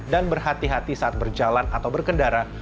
dan berhati hati saat berjalan atau berkendara